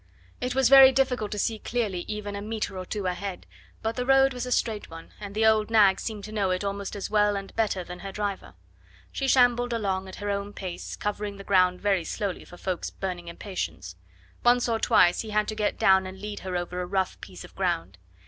It was very difficult to see clearly even a metre or two ahead, but the road was a straight one, and the old nag seemed to know it almost as well and better than her driver. She shambled along at her own pace, covering the ground very slowly for Ffoulkes's burning impatience. Once or twice he had to get down and lead her over a rough piece of ground.